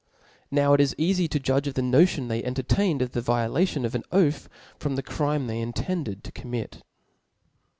Now it is cafy to judge of the notion they entertained of the violation of an oath, from the crime they intended to commit.